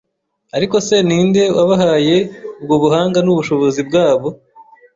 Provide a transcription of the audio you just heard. Ariko se ni nde wabahaye ubwo buhanga n’ubushobozi bwabo?